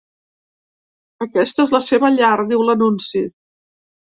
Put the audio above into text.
Aquesta és la seva llar, diu l’anunci.